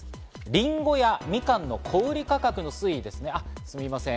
リンゴやミカンの小売価格の推移ですね。